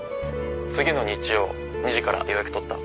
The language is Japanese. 次の日曜２時から予約取った。